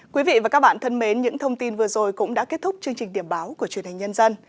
quý vị và các bạn thân mến những thông tin vừa rồi cũng đã kết thúc chương trình điểm báo của truyền hình nhân dân